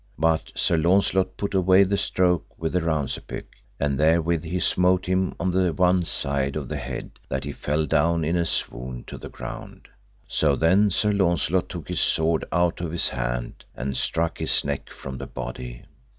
But Sir Launcelot put away the stroke with the rownsepyk, and therewith he smote him on the one side of the head, that he fell down in a swoon to the ground. So then Sir Launcelot took his sword out of his hand, and struck his neck from the body.